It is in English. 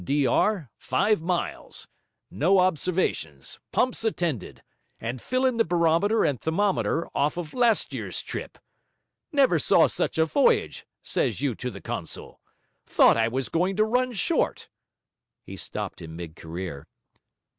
D. R.: five miles. No obs. Pumps attended. And fill in the barometer and thermometer off of last year's trip.' 'Never saw such a voyage,' says you to the consul. 'Thought I was going to run short...' He stopped in mid career.